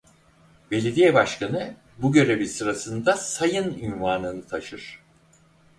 Belediye başkanı bu görevi sırasında "Sayın" unvanını taşır.